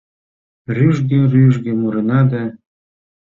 Рӱжге-рӱжге мурена да